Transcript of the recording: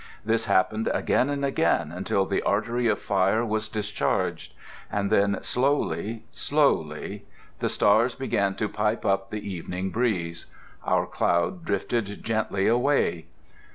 This happened again and again until the artery of fire was discharged. And then, slowly, slowly, the stars began to pipe up the evening breeze. Our cloud drifted gently away.